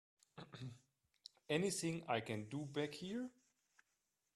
Anything I can do back here?